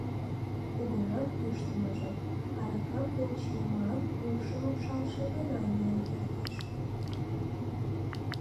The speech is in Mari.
— Кугыжан кӱштымыжӧ: аракам йолчиеман, упшым упшалше гына йӱын кертеш.